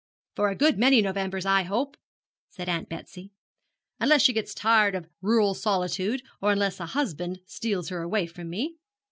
'For a good many Novembers, I hope,' said Aunt Betsy, 'unless she gets tired of rural solitude, or unless a husband steals her away from me.'